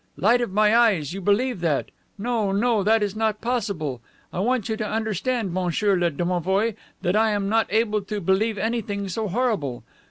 Light of my eyes! you believe that! No, no, that is not possible! I want you to understand, monsieur le domovoi, that I am not able to believe anything so horrible.